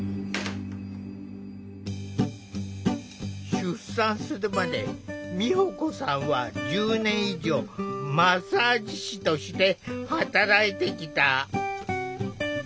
出産するまで美保子さんは１０年以上マッサージ師として働いてきた。